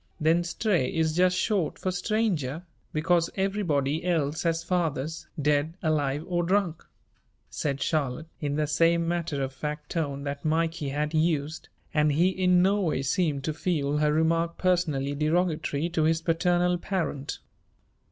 "Then Stray is just short for stranger, because everybody else has fathers, dead, alive or drunk," said Charlotte, in the same matter of fact tone that Mikey had used, and he in no way seemed to feel her remark personally derogatory to his paternal parent.